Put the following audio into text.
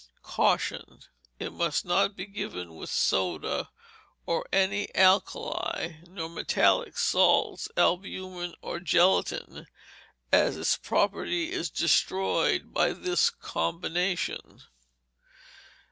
Caution. It must not be given with soda or any alkali; nor metallic salts, albumen, or gelatine, as its property is destroyed by this combination.